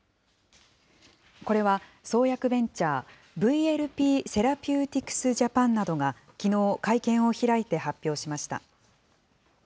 これは創薬ベンチャー、ＶＬＰセラピューティクス・ジャパンなどがきのう会見を開いて発表しました。